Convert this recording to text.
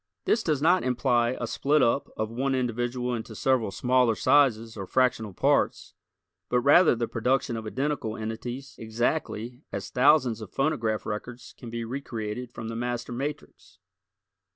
This does not imply a split up of one individual into several smaller sizes or fractional parts, but rather the production of identical entities exactly as thousands of phonograph records can be created from the master matrix.